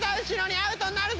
アウトになるぞ！